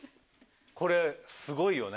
これすごいよね。